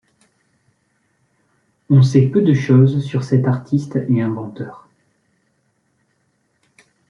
On sait peu de chose sur cet artiste et inventeur.